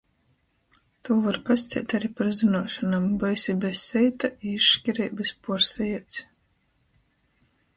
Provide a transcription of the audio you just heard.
Tū var pasaceit ari par zynuošonom, bo esi bez seita i izškireibys puorsaieds.